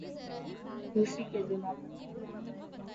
دوسری کے ذمہ برتن دھونا